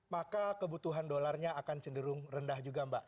maka kebutuhan dolarnya akan cenderung rendah juga mbak